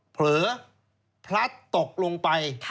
เผลอพลัดตกลงไป